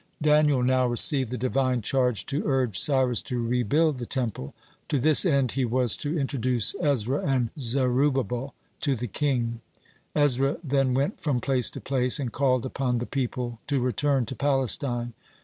Daniel now received the Divine charge to urge Cyrus to rebuild the Temple. To this end he was to introduce Ezra and Zerubbabel to the king. Ezra then went from place to place and called upon the people to return to Palestine.